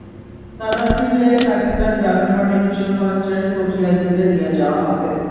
তাঁরা ফিরলেই তাঁকে তাঁর গ্রামের বাড়ি কিশোরগঞ্জের কটিয়াদীতে নিয়ে যাওয়া হবে।